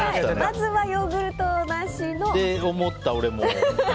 まずはヨーグルトなしの。って思った、俺も。